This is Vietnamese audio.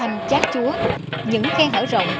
những khen hở rộng